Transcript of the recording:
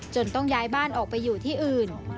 ต้องย้ายบ้านออกไปอยู่ที่อื่น